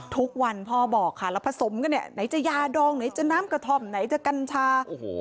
พ่อบอกค่ะแล้วผสมกันเนี่ยไหนจะยาดองไหนจะน้ำกระท่อมไหนจะกัญชาโอ้โห